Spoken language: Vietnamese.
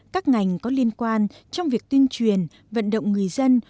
các ngành có liên quan trong việc tuyên truyền vận động người dân